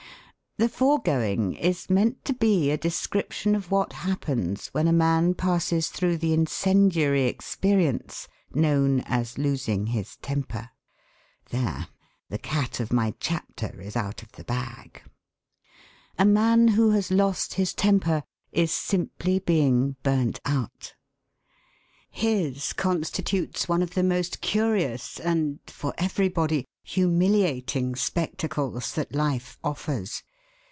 The foregoing is meant to be a description of what happens when a man passes through the incendiary experience known as 'losing his temper.' (There! the cat of my chapter is out of the bag!) A man who has lost his temper is simply being 'burnt out.' His constitutes one of the most curious and (for everybody) humiliating spectacles that life offers.